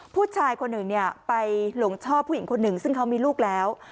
ผู้ชายคนหนึ่งไปหลงชอบผู้หญิงคนหนึ่งซึ่งเขามีลูกแล้ว